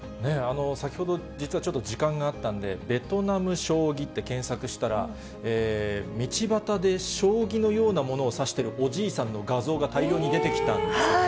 先ほど、実はちょっと時間があったんで、ベトナム・将棋って検索したら、道端で将棋のようなものを指しているおじいさんの画像が大量に出てきたんですよね。